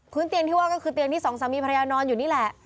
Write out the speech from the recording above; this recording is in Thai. เตียงที่ว่าก็คือเตียงที่สองสามีภรรยานอนอยู่นี่แหละ